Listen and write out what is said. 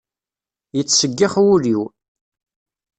Yettseggix wul-iw.